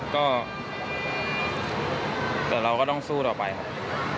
ก็แต่เราก็ต้องสู้ต่อไปครับ